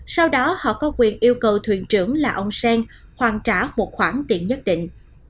sau đó họ có quyền yêu cầu thuyền trưởng là ông sen hoàn trả một khoản tiền nhất định